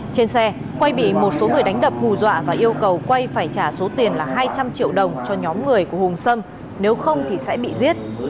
trên xe quay bị một số người đánh đập hù dọa và yêu cầu quay phải trả số tiền là hai trăm linh triệu đồng cho nhóm người của hùng xâm nếu không thì sẽ bị giết